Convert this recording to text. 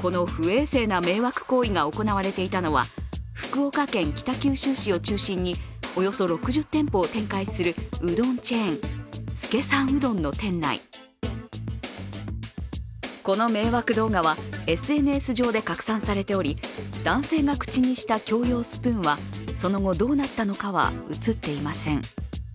この不衛生な迷惑行為が行われていたのは福岡県北九州市を中心におよそ６０店舗を展開するこの迷惑動画はＳＮＳ上で拡散されており、男性が口にした共用スプーンはその後、どうなったのかは映っていません。